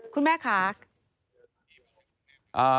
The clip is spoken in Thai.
คุณแม่ค่ะ